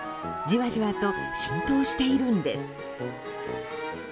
じわじわと浸透しているんです。